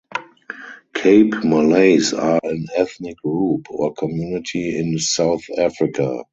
Cape Malays are an ethnic group or community in South Africa.